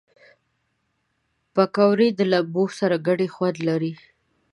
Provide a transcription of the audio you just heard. پکورې د لمبو سره ګډ خوند لري